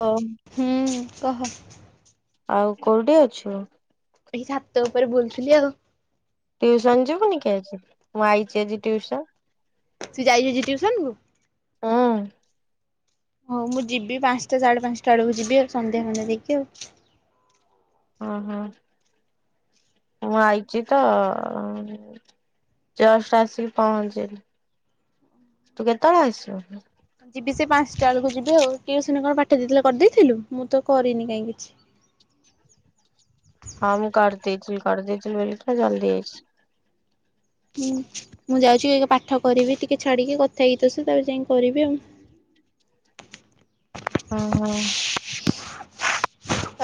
Hello. ହୁଁ କହ ଆଉ କୋଉଠି ଅଛୁ। ଏଇ ଛାତ ଉପରେ ବୁଲଥିଲି ଆଉ। ଟ୍ୟଉସନ ଯିବୁନି କି ଆଜି ମୁଁ ଆଇଛି ଆଜି ଟ୍ୟଉସନ ତୁ ଯାଇାଇଛି ଆଜି ଟ୍ୟୁସନ କୁ। ହଁ। ହଉ ମୁଁ ଯିବି ପାଞ୍ଚଟା ସାଢେ ପାଞ୍ଚଟା ବେଳକୁ ଯିବି ଆଉ ସନ୍ଧ୍ୟା ପନ୍ଧ୍ୟା ଦେଇକି ଆଉ। ଓଁ ହୋଁ ମୁଁ ଆଇଛି ତ ଆଉ। ଜଷ୍ଟ ଆସ କି ଫଞ୍ଚିଲି ତୁ କେତଳେ ଆସବୁ କି ଯିବି ସେ ପାଞ୍ଚଟା ବେଳକୁ ଯିବି ଆଉ ଟିଉସନ ରେ କଣ ପାଠ ଦେଇଥିଲେ କରିଦେଇଥିଲୁ ମୁଁ ତ କରିନି କାହିଁ କିଛି। ହଁ ମୁଁ କରି ଦେଇଥିଲି କରି ଦେଇଥିଲି ବୋଲି ଜଲଦି ଆଇଛି ହୁଁ ମୁଁ ଯାଉଛି ପାଠ କରିବି ଟିକେ ଛାଡିକି କଥା ହେଇକି ଆସେ ତା ପରେ ଯାଇକି କରିବି ଆଉ ଓହୋ।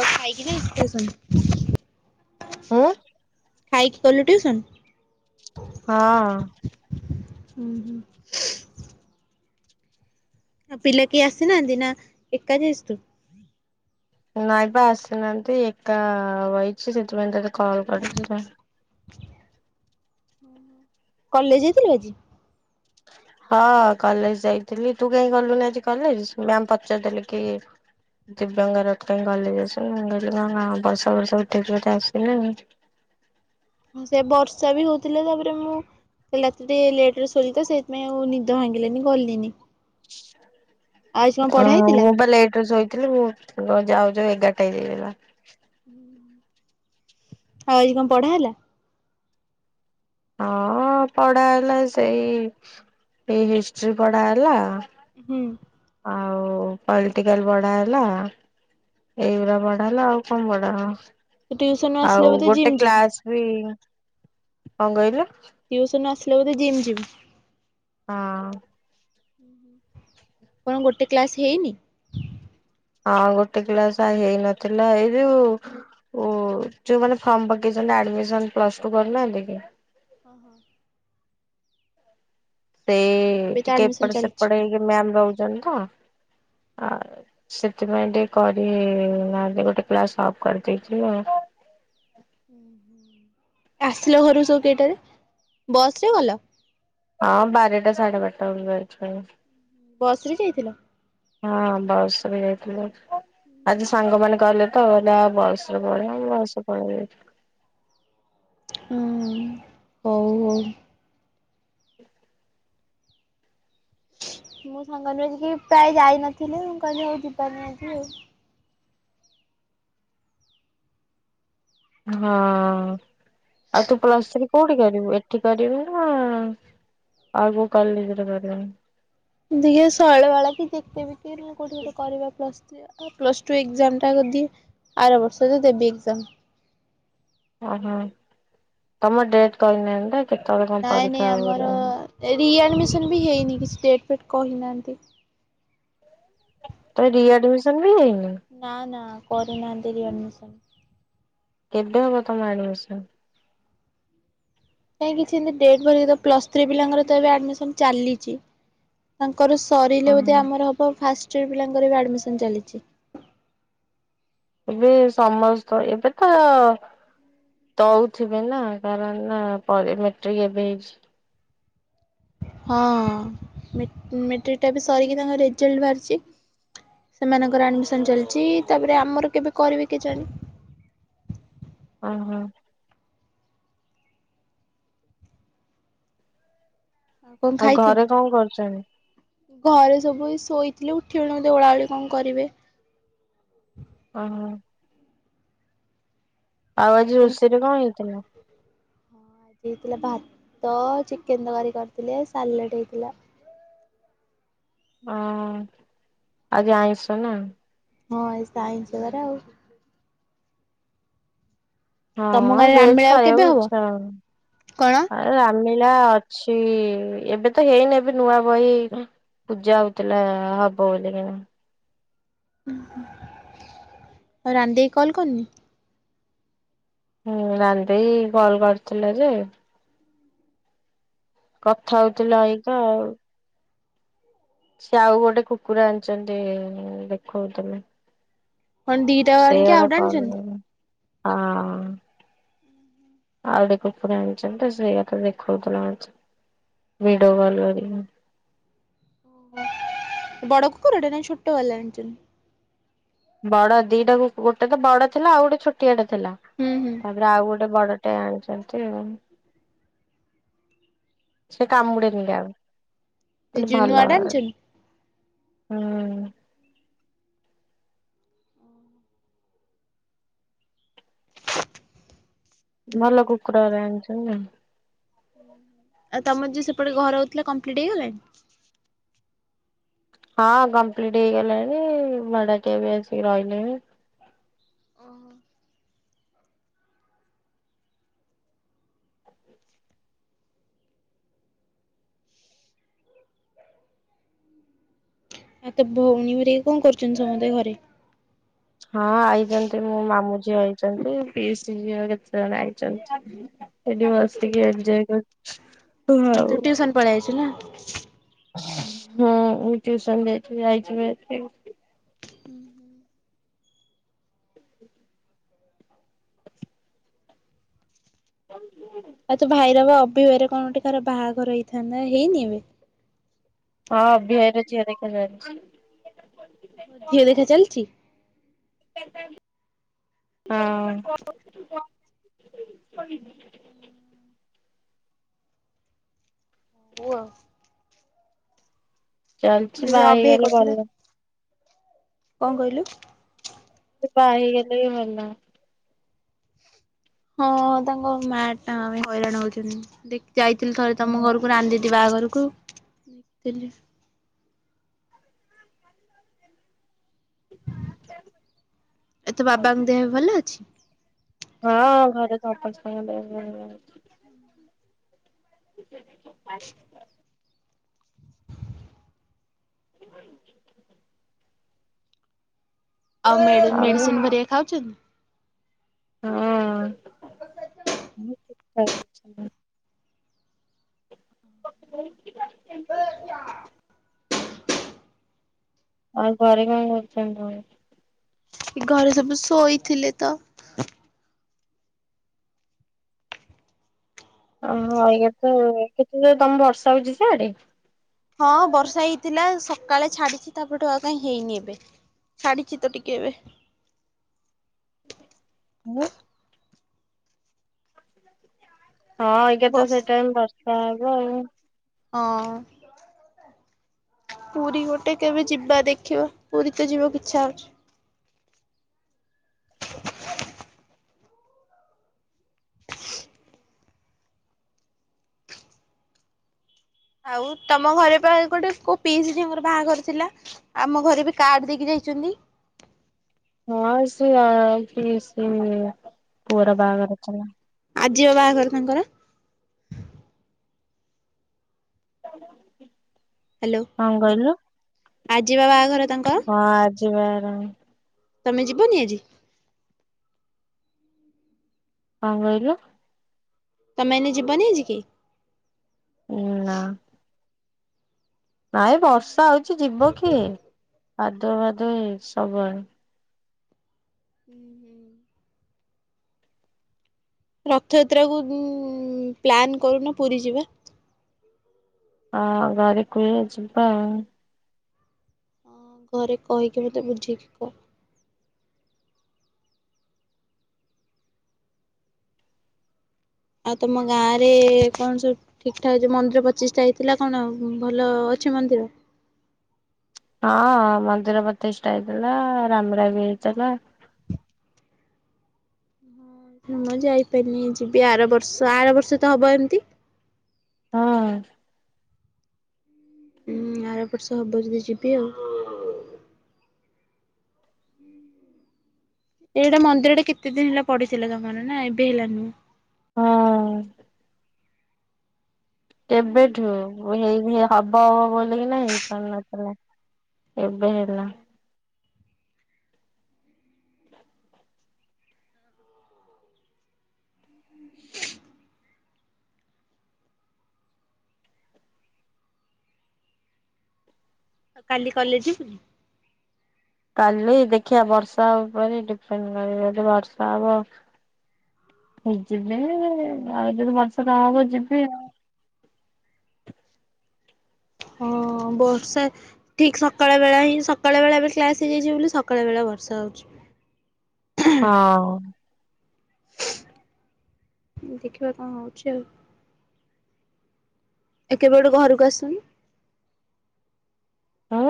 ଆଉ ସବୁ ଖାଇକିନି ପୁଛନ୍ତି ହଁ। ଖାଇକି କଲୁ ଟିଉସନ ହଁ। ହୁଁ ହୁଁ। ଆଉ ପିଲା କିଏ ଆସିନାହାନ୍ତି ନା ଏକା ଯାଇଛୁ ତୁ ନାଇଁ ବା ଆସିନାହାନ୍ତି ଏକା ବଇଛି ସେଥିପାଇଁ ତତେ କଲ୍ କରିଛି ସେଇଥି ପାଇଁ। ହୁଁ ହୁଁ। କଲେଜ ଯାଇଥିଲୁ ଆଜି। ହଁ କଲେଜ ଯାଇଥିଲି ତୁ କାହିଁ ଗଲୁନି ଆଜି କଲେଜ ମ୍ୟାମ ପଚାରିଦେଲେ କି ଦିବ୍ୟାଙ୍ଗ ରଥ କାହିଁ କଲେଜ ଆସୁନି ମୁଁ କହିଲି କଣ ବର୍ଷା ଫର୍ଷା ଉଠେଇଚି ବୋଧେ ଆସିଲାନି। ସେ ବର୍ଷା ବି ହୋଉଥିଲେ ତାପରେ ମୁଁ କାଲି ରାତିରେ ଲେଟ ରେ ଶୋଇଲି ତ ସେଇଥିପାଇଁ ଆଉ ନିଦ ଭାଙ୍ଗିଲାନି ଗଲିନି। ଚି ସା। ଆଉ ଆଜି କଣ ପଢା ଓ ହେଇଥିଲା ମୁଁ ବା ଲେଟରେ ଶୋଇଥିଲି ମୁଁ ଯାଉ ଯାଉ ଏଗାରଟା ହେଏଯାଇଥିଲା। ହୁଁ ଆଉ ଆଜି କଣ ପଢା ହେଲା? ହଁ ପଢା ହେଲା ସେଇ ଏଇ ହିଷ୍ଟ୍ରି ପଢା ହେଲା। ହୁଁ। ଆଉ ପଲଟିକାଲ ପଢ଼ା ହେଲା। ଏଇଗୁରା ପଢା ହେଲା ଆଉ କଣ ପଢ଼ା ତୁ ଟିଉସନରୁ ହବ। ଆସିଲେ ଆଉ ବୋଧେ ଜିମ୍ ଗୋଟେ ଯିବୁ କ୍ଲାସ ଉଇ। କଣ କଇଲୁ? ଟିଉସନ ରୁ ଆସିଲେ ବୋଧେ ଜିମି ଯିବୁ? ହଁ। କଣ ଗୋଟେ କ୍ଲାସ୍ ହେଇନି? ହଁ ଗୋଟେ କ୍ଲାସ ହେଇନଥିଲା। ଏଇ ଯୋଉ ଓ ଯୋଉ ମାନେ ଫର୍ମ ପକେଇଛନ୍ତି ଆଡମିସନ ପ୍ଲସ ଟୁ କରନାହାନ୍ତି କି। ଓହ। ସେ ଏବେ ତ ଟିକେ ଆଡମିସନ ଏପଟ ଚାଲିଛି ସେପଟ ହେଇକି ମ୍ୟାମ ରହୁଚନ୍ତି ତ। ଆଉ ସେଥିପାଇଁ ଟିକେ କରି ନାହାଁନ୍ତି ଗୋଟେ କ୍ଲାସ ଅଫ୍ କରିଦେଇଥିଲ। ହୁଁ। ଆସିଲ ଘରକୁ ସବୁ କେଇଟାରେ? ବସ ରେ ଗଲ? ହଁ ବାରଟା ସାଢେ ବାରଟା ବେଳକୁ ଆସିଥିଲୁ। ବସରେ ଯାଇଥିଲ? ହଁ ବସ ରେ ଯାଇଥିଲୁ। ଆଜି ସାଙ୍ଗମାନେ କହିଲେ ତ କହିଲେ ଆଉ ବସରେ ପଳେଇଵା। ମୁଁ ଵସରେ ପଳେଇ ଆସିଲି। ହଁ ହୋଉ ହୋଉ। ମୁଁ ସାଙ୍ଗମାନେ ବି ଆଜି ପ୍ରାୟ କେହି ଯାଇନଥିଲେ ମୁଁ କହିଲି ହଉ ଯିବାନି ଆଉ। ହଁ ଆଉ ତୁ ପ୍ଲସ୍ ଥ୍ରୀ କୋଉଠି କରିବୁ ଏଠି କରିବୁ ନା ଆଉ ଯୋଉ କଲେଜରେ କରିବୁ? ଦି ହେ ଶୈଳବାଳା କି ଜେକେବିକେ ନ ହେଲେ କୋଉଠି ଗୋଟେ କରିବା plus three. Plus two exam ଟା ଯଦି ଆର ବର୍ଷରେ ଦେବି ଏକଜାମ। ଅ ହଁ ତମ ଡେଟ କହି ନାହାଁନ୍ତି ତ କେତୋଳେ କଣ ପରୀକ୍ଷା ହବ? ଏଇ ରିଆଡ଼ମିସନ୍ ବି ହେଇନି କିଛି ଡେଟ୍ ଫେଟ୍ କହିନାହାଁନ୍ତି। ତୋ ରିଆଡମିସନ ବି ହେଇନି। ନା ନା କରିନାହାନ୍ତି ରିଆଡମିସନ। କେବେ ହବ ତମ ଆଡମିସନ? କାହିଁକିଛି ଏମିତି ଡେଟ ଫେଟ ତ କହିନାହାଁନ୍ତି ତ। ପ୍ଲସ ଥ୍ରୀ ପିଲାଙ୍କର ତ ଏବେ ଆଡମିସନ ଚାଲିଚି। ତାଙ୍କର ସରିଲେ ବୋଧେ ଓହୋ ଆମର ହବ ଫାଷ୍ଟ ଇଅର ପିଲାଙ୍କର ଆଡମିଶନ୍ ଚାଲିଛି। ଏବେ ସମସ୍ତ ଏବେ ତ ଦଉଥିବେ ନା କାରଣ ନା ପରେ ମେଟ୍ରିକ ଏବେ ହେଇଚି। ହଁ ମେଟ୍ରିକଟା ବି ସରିକି ତାଙ୍କ ରେଜଲ୍ଟ ବାହାରଚି। ସେମାନଙ୍କର ଆଡମିସନ ଚାଲିଚି। ତାପରେ ଆମର କେବେ କରିବି କେ ଜାଣି? ଓ ହୋ କଣ ଆଉ ଘରେ ଖାଇଥିଲୁ? କଣ କରୁଛନ୍ତି? ଘରେ ସବୁ ଶୋଇଥିଲେ ଉଠିବେଣି ବୋଧେ ଓଳାଓଳି କଣ କରିବେ। ଓହୋ। ଆଉ ଆଜି ରୋଷେଇରେ କଣ ହେଇଥିଲା? ହଁ ଆଜି ହେଇଥିଲା ଭାତ ଚିକେନ ତକାରି କରିଥିଲେ ସାଲେଟ୍ ହେଇଥିଲା। ଓହୋ ଆଜି ଆଇଁଷ ନା? ହଁ ଆଜି ତ ଆଇଁଷ ବାର ଆଉ। ତମ ହଁ ଗାଁରେ ଭେଜ ରାମମେଳା ଆଉ କେବେ ଖାଇବାକୁ ହବ? ଇଚ୍ଛା ହୋଉନି। କଣ ଆ ରାମୀଳା ଅଛି ଏବେ ତ ହେଇନି ଏବେ ନୂଆ ବହି ପୂଜା ହୋଉଥିଲା ହବ ବୋଲିକିଣା। ଉଁ ହୁଁ ଆଉ ରାନି ଦେଇ କଲ୍ କରିନି? ହୁଁ ରାନ୍ ଦେଇ କଲ୍ କରିଥିଲା ଯେ କଥା ହୋଉଥିଲ ଆଇ ତ ଆଉ। ସିଏ ଆଉ ଗୋଟେ କୁକୁର ଆଣିଚନ୍ତି ଦେଖଉଥିଲେ। କଣ ଦିଟା ଆଣିକି ସେଇଗୁଡାକ ଆଉଟେ କଲ ରେ ଆଣିଛନ୍ତି କହିବିନି ହଁ। ଆଉ ଗୋଟେ କୁକୁର ଆଣିଚନ୍ତି ତ ସେଇଆ ତ ଦେଖାଉଥିଲା ଆଜି ଭିଡିଓ କଲ କରିକି। ବଡ କୁକୁରଟେ ନାଇଁ ଛୋଟ ବାଲା ଆଣିଚନ୍ତି? ବଡ ଦିଟାକୁ ଗୋଟେ ତ ବଡ ଥିଲା ଆଉ ଗୋଟେ ଛୋଟିଆଟା ଥିଲା। ହୁଁ ହୁଁ। ତାପରେ ଆଉ ଗୋଟେ ବଡଟେ ଆଣିଚନ୍ତି ଆଉ। ସେ କାମୁଡ଼େନି କାହାକୁ ମୁ ସେ କହିଲି ଭଲ ଜୁନୁଆଟା ଘର। ଆଣିଛନ୍ତି ହୁଁ। ଭଲ କୁକୁର ଓରା ଆଣିଚନ୍ତି। ଆଉ ତମର ଯିଏ ସେପଟେ ଘର ହଉଥିଲା କମ୍ପ୍ଲିଟ୍ ହେଇଗଲାଣି? ହଁ କମ୍ପ୍ଲିଟ୍ ହେଇଗଲାଣି ଭଡାଟିଆ ବି ଆସିକି ରହିଲେଣି। ଓହ। ଆ ତୋ ଭଉଣୀ ହୋରିକା କଁ କରୁଚନ୍ତି ସମସ୍ତେ ଘରେ? ହଁ ଆଇଚନ୍ତି ମୋ ମାମୁଁ ଝିଅ ଆଇଚନ୍ତି ପିଇସି ଝିଅ କେତେ ଜଣ ଆଇଚନ୍ତି। ଏଠି ବସିକି ଏଫ୍ ଯାଏ କରୁଚି। ଆଉ ତୁ ଟ୍ୟୁସନ ପଳେଆଇଚୁ ନା। ହଁ ମୁ ଟିଉସନ ଯାଇଥିବି ଆଇଥିବି ରାତିକୁ। [unintelligible] ଆଉ ତୁ ଭାଇର ବା ଅବିବାରେ କଣ ଟେ କାହାର ବାହାଘର ହେଇଥାନ୍ତା ହେଇନି ଏବେ? ହଁ ଅଭିଆରି ଝିଅ ଦେଖା ଯାଉଚି। ଝିଅ ଦେଖା ଚାଲଚି। ହଁ। ପୁଅ ଚାଲଚି ସେ ବା ଅବିବାହି ହେଇଗଲେ ଭଲ। କଁ କହିଲୁ? ସେ ବା ହେଇଗଲେ ବି ଭଲ। ହଁ ତାଙ୍କ ମା ଟା ଆମେ ହଇରାଣ ହଉଚନ୍ତି ଦେଖ ଯାଇଥିଲି ଥରେ ତମ ଘରକୁ ରାନ ଦିଦି ବାହାଘରୁକୁ ଥିଲି। [inaudible] ଏ ତୋ ବାବାଙ୍କ ଦେହ ଏବେ ଭଲ ଅଛି? ହଁ ଘରେ [unintelligible] [inaudible] [inaudible] ଆଉ ମେଡ଼ି ଆଉ ମେଡିସିନ ହେରିକା ଖାଉଛନ୍ତି। ତ [unintelligible] ଆଉ ଘରେ କଣ କରୁଛନ୍ତି ସବୁ ଘରେ ସବୁ ଶୋଇଥିଲେ ତ। ଅହ ଆଜ୍ଞା ତ କେତେ ଜୋର ତମ ବର୍ଷା ହଉଛି ସି ଆଡେ। ହଁ ବର୍ଷା ହେଇଥିଲା ସକାଳେ ଛାଡିଛି ତାପରଠୁ ଆଉ କାଇଁ ହେଇନି ଏବେ। ଛାଡିଛି ତ ଟିକେ ଏବେ। ହ। ହଁ ଏଗାରଟା ତ ବର୍ଷ ସେଇଟାଇମ୍ ବର୍ଷା ହବ ଆଉ। ଅ। ପୁରୀ ଗୋଟେ କେବେ ଯିବା ଦେଖିବ। ପୁରୀ ତ ଯିବା କୁ ଇଛା ହୋଉଛି। ଆଉ ତମ ଘରେ ପା ଗୋଟେ କୋଉ ପିଇସି ଝିଅଙ୍କର ବାହାଘର ଥିଲା। ଆମ ଘରେ ବି କାର୍ଡ ଦେଇକି ଯାଇଛନ୍ତି। ହଁ ସିଏ ପିଇସି ପୁଅର ବାହାଘର ଥିଲା। ଆଜିି ବା ବାହାଘର ତାଙ୍କର। [unintelligible] ହ୍ୟାଲୋ କଣ କହିଲୁ? ଆଜି ବା ବାହାଘର ତାଙ୍କ। ହଁ ଆଜି ବାହାଘର। ତମେ ଯିବନି ଆଜି। କଣ କହିଲୁ। ତମେ ଏଇନୁ ଯିବନି ଆଜି କି? ନାଁ। ନାଇଁ ବର୍ଷା ହଉଛି ଯିବ କିଏ କାଦୁଅ ଫାଦୁଅ ସବୁଆଡେ। [inaudible] ରଥଯାତ୍ରା କୁ ପ୍ଲାନ୍ କରୁନ ପୁରୀ ଯିବା। ହଁ ଘରେ କୁହେ ଯିବା ଆଉ। ହଁ ଘରେ କହିକି ମୋତେ ବୁଝେଇିକି କୁହ। ଆଉ ତମ ଗାଁ ରେ କଣ ସବୁ। ଠିକ ଠାକ ଯ ମନ୍ଦିର ପଚିଶଟା ହେଇଥିଲା କଣ ଭଲ ଅଛି ମନ୍ଦିର। ହଁ ମନ୍ଦିର ପ୍ରତିଷ୍ଠା ହେଇଥିଲା। ରାମରାବି ହେଇଥିଲା। ମୁଁ ଯାଇପାଇଲିନି ଯିବି। ଆର ବର୍ଷ ଆର ବର୍ଷ ତ ହେବ ଏମିତି। ହଁ। ହୁଁ ଆର ବର୍ଷ ହେବ ଯଦି ଯିବି ଆଉ। ଏଇଟା ମନ୍ଦିର ଟା କେତେ ଦିନ ହେଲା ପଡିଥିଲା ତମର ନା ଏବେ ହେଲା ନୁ। ହଁ। କେବେଠୁ ଏହିଭଳିଆ ହବ ହବ ବୋଲି ହେଇପାରୁନଥିଲା। ଏବେ ହେଲା। [inaudible] କାଲି କଲେଜ ଯିବୁ। କାଲି ଦେଖିବା ବର୍ଷା ଉପରେ ଡିପେଣ୍ଡ କରିବ ଯଦି ବର୍ଷା ହବ। ଯିବିନି ଆଉ ଯଦି ବର୍ଷା ନା ହବ ଯିବି ଆଉ। ହଁ ବର୍ଷା। ଠିକ୍ ସକାଳ ବେଳା ହିଁ ସକାଳ ବେଳା ଏବେ କ୍ଲାସ ହେଇଯାଇଛିି ବୋଲି ସକାଳ ବେଳା ବର୍ଷା ହଉଛି। ହଁ। ଦେଖିବା କଣ ହଉଛି ଆଉ। ତୁ କେବେ ଗୋଟେ ଘରକୁ ଆସୁନୁ। ହଁ।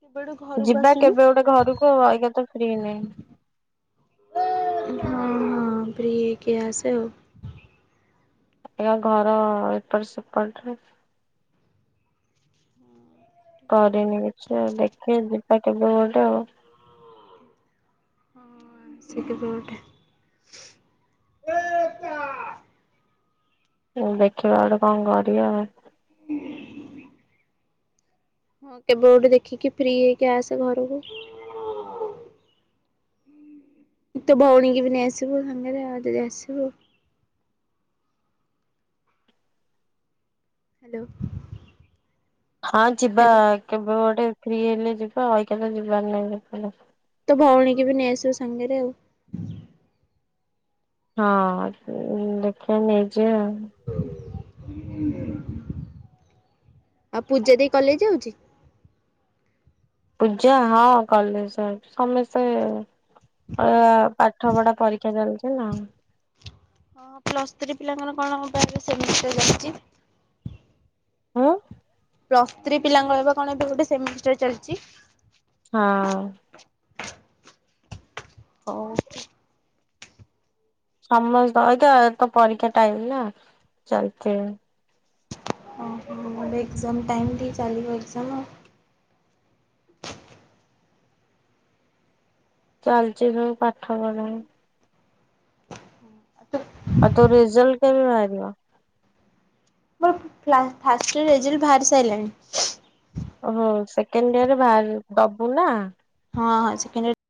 କେବେ ଗୋଟେ ଘରକୁ ଯିବା ଆସୁନୁ କେବେ ଗୋଟେ ଘରକୁ ଏଇଗା ତ ଫ୍ରି ନାଇଁ। [unintelligible] ହଁ ହଁ ଫ୍ରି ହେଇକି ଆସେ ଆଉ। ଘର ଏପଟ ସେପଟରେ କରିନି କିଛି ଆଉ ଦେଖିବା ଯିବା କେବେ ଗୋଟେ ଆଉ। ହଁ ଆସେ କେବେ ଗୋଟେ ଦେଖିବା ଗୋଟେ କଣ କରିବା ଆଉ। [inaudible] ହଁ କେବେ ଗୋଟେ ଦେଖିକି ଫ୍ରି ହେଇକି ଆସେ ଘରକୁ ତ ଭଉଣୀ କି ବି ନେଇ ଆସିବୁ ସାଙ୍ଗରେ ଯଦି ଆସିବୁ। ହ୍ୟାଲୋ ହଁ ଯିବା ହ୍ୟାଲୋ କେବେ ଗୋଟେ ଫ୍ରୀ ହେଲେ ଯିବା ଆଉ ଏହି ଯିବାର ନାଇଁ [unintelligible] ତ ଭଉଣୀ କି ବି ନେଇଆସିବୁ ସାଙ୍ଗରେ ଆଉ। ହଁ ଦେଖିବା ନେଇଯିବା ଆଉ। ଆଉ ପୂଜା ଦି କଲେଜ୍ ଯାଉଛି। ପୂଜା ହଁ କଲେଜ୍ ସମସ୍ତେ ପାଠ ପଢା ପରୀକ୍ଷା ଚାଲିୁଛି ନା ହଁ ପ୍ଲସ୍ ଥ୍ରୀ ପିଲାଙ୍କର କଣ ବା ଏବେ ସେମିଷ୍ଟାର୍ ଚାଲିଛି। ହଁ ପ୍ଲସ୍ ଥ୍ରୀ ପିଲାଙ୍କର ବା କଣ ଏବେ ଗୋଟେ ସେମିଷ୍ଟାର୍ ଚାଲିଛି। ହଁ ହଉ ସମସ୍ତ ଅଇକା ତ ପରୀକ୍ଷା ଟାଇମ୍ ନା ଚାଲିଥିବ ହଁ ହଁ ଏଗ୍ଜାମ ଟାଇମ୍ ଦି ଚାଲିବ ଏଗ୍ଜାମ ଆଉ ଚାଲିଛି ଏବେ ପାଠ ପଢ଼ [unintelligible] ଆଉ ତୋ ରେଜଲ୍ଟ କେବେ ବାହାରାରିବ? ମୋର ଫାଷ୍ଟୟ୍ ର ରେଜଲ୍ଟ ବାହାରି ସାରିଲାଣି। ଓହୋ ସେକେଣ୍ଡ ଇୟର ବାହାର ଦବୁ ନା ହଁ ହଁ ସେକେଣ୍ଡ